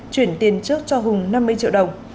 chuyển tiền trước cho hùng năm mươi triệu đồng